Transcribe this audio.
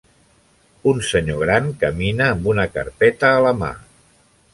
un senyor gran camina amb una carpeta a la mà